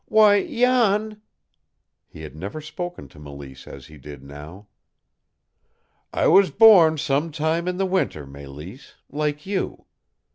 "Why, Jan " He had never spoken to Mélisse as he did now. "I was born some time in the winter, Mélisse like you.